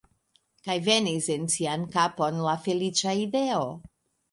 Kaj venis en sian kapon la feliĉa ideo.